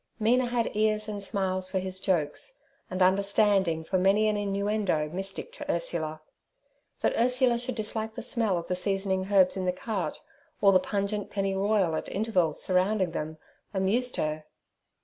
Mina had ears and smiles for his jokes, and understanding for many an innuendo mystic to Ursula. That Ursula should dislike the smell of the seasoning herbs in the cart, or the pungent pennyroyal at intervals surrounding them, amused her.